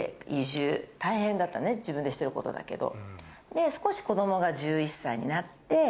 自分でしてることだけど。